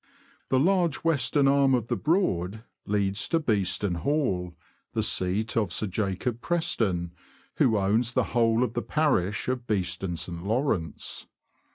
The large western arm of the Broad leads to Beeston Hall, the seat of Sir Jacob Preston, who owns the whole of the parish of Beeston St. Lawrence.